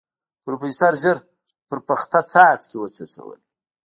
پروفيسر ژر په پخته څاڅکي وڅڅول.